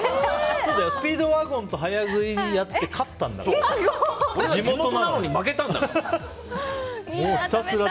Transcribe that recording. スピードワゴンと早食いをやって地元なのに、負けたんだから。